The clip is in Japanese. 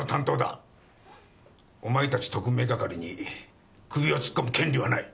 お前たち特命係に首を突っ込む権利はない！